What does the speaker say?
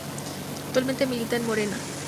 Actualmente milita en Morena.